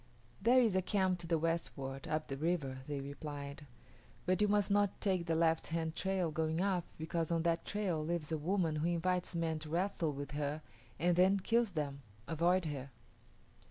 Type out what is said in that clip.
"There is a camp to the westward, up the river," they replied; "but you must not take the left hand trail going up because on that trail lives a woman who invites men to wrestle with her and then kills them. Avoid her."